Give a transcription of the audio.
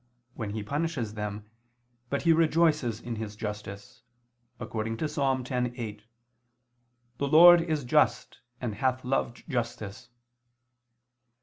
'living']" when He punishes them, but He rejoices in His justice, according to Ps. 10:8: "The Lord is just and hath loved justice."